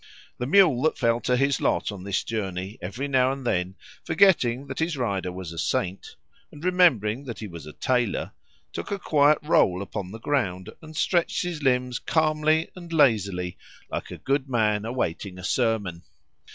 The mule that fell to his lot on this journey every now and then, forgetting that his rider was a saint, and remembering that he was a tailor, took a quiet roll upon the ground, and stretched his limbs calmly and lazily, like a good man awaiting a sermon.